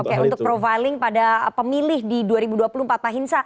oke untuk profiling pada pemilih di dua ribu dua puluh empat pak hinsa